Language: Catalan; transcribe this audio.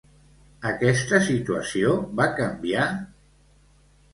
Aquesta situació va canviar?